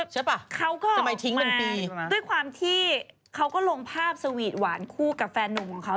คือเขาก็ออกมาด้วยความที่เขาก็ลงภาพสวีทหวานคู่กับแฟนหนุ่มของเขา